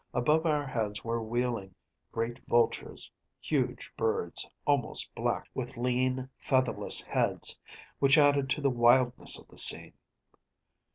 Above our heads were wheeling great vultures‚ÄĒhuge birds, almost black, with lean, featherless heads‚ÄĒwhich added to the wildness of the scene.